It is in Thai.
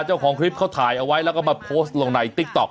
เจ้าของคลิปเขาถ่ายเอาไว้แล้วก็มาโพสต์ลงในติ๊กต๊อ